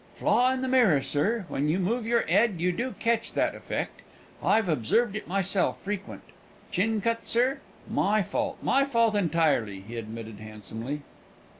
"Flaw in the mirror, sir; when you move your 'ed, you do ketch that effect. I've observed it myself frequent. Chin cut, sir? My fault my fault entirely," he admitted handsomely.